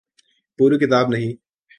پوری کتاب نہیں۔